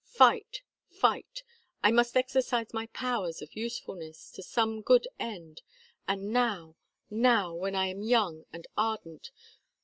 fight! fight! I must exercise my powers of usefulness to some good end, and now, now, when I am young and ardent.